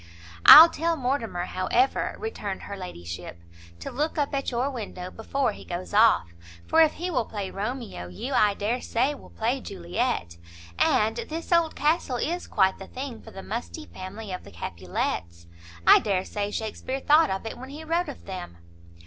"I'll tell Mortimer, however," returned her ladyship, "to look up at your window before he goes off; for if he will play Romeo, you, I dare say, will play Juliet, and this old castle is quite the thing for the musty family of the Capulets; I dare say Shakespeare thought of it when he wrote of them."